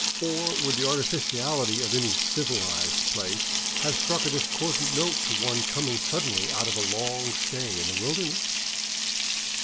Or would the artificiality of any *' civilized " place have struck a discordant note to one coming suddenly out of a long stay in the wilderness?